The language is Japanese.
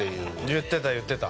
言ってた言ってた。